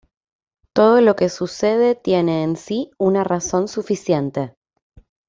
Todo lo que sucede tiene en sí una razón suficiente.